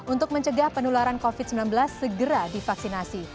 untuk mencegah penularan covid sembilan belas segera divaksinasi